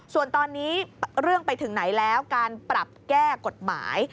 ส่วนตอนนี้เรื่องไปถึงไหนแล้วการปรับแก้กฎหมาย